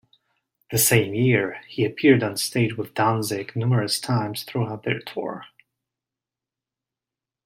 The same year, he appeared on stage with Danzig numerous times throughout their tour.